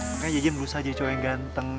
makanya jadi berusaha jadi cowok yang ganteng